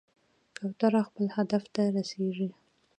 کوتره خپل هدف ته رسېږي.